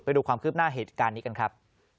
ดูความคืบหน้าเหตุการณ์นี้กันครับ